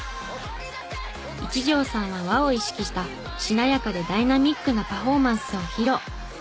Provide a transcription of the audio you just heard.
一条さんは和を意識したしなやかでダイナミックなパフォーマンスを披露。